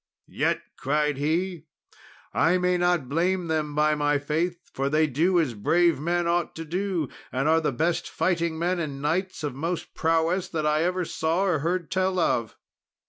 "Yet," cried he, "I may not blame them, by my faith, for they do as brave men ought to do, and are the best fighting men and knights of most prowess that I ever saw or heard tell of."